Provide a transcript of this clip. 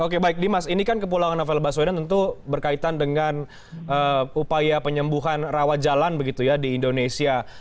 oke baik dimas ini kan kepulangan novel baswedan tentu berkaitan dengan upaya penyembuhan rawat jalan begitu ya di indonesia